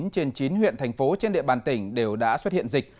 chín trên chín huyện thành phố trên địa bàn tỉnh đều đã xuất hiện dịch